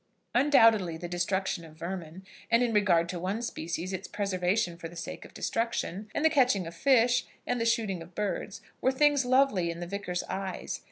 Undoubtedly the destruction of vermin, and, in regard to one species, its preservation for the sake of destruction, and the catching of fish, and the shooting of birds, were things lovely in the Vicar's eyes.